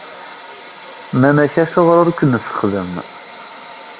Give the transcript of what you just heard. Nnan-ak Acuɣer ur k-nessexdem?